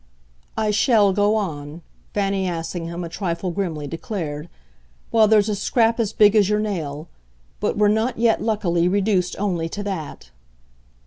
"I shall go on," Fanny Assingham a trifle grimly declared, "while there's a scrap as big as your nail. But we're not yet, luckily, reduced only to that."